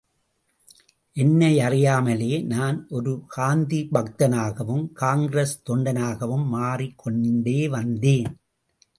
என்னையறியாமலே நான் ஒரு காந்தி பக்தனாகவும், காங்கிரஸ் தொண்டனாகவும் மாறிக்கொண்டே வந்தேன்.